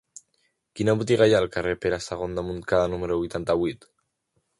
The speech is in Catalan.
Quina botiga hi ha al carrer de Pere II de Montcada número vuitanta-vuit?